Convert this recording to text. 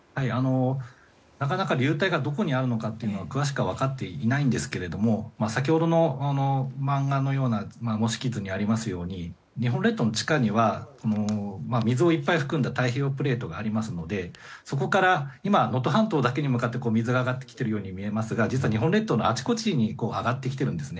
流体がどこにあるのかは詳しくは分かっていないんですが先ほどの図にありましたように日本の地下には水をいっぱい含んだ太平洋プレートがありますのでそこから今能登半島だけに向かって水が上がっているように見えますが実は日本列島のあちこちに上がってきているんです。